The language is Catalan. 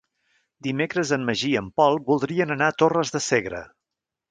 Dimecres en Magí i en Pol voldrien anar a Torres de Segre.